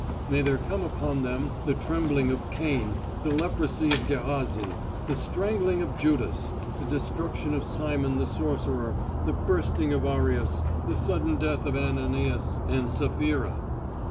May there come upon them the trembling of Cain, the leprosy of Gehazi, the strangling of Judas, the destruction of Simon the sorcerer, the bursting of Arius, the sudden death of Ananias and Sapphira